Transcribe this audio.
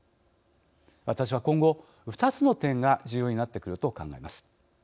私は、今後、２つの点が重要になってくると考えます。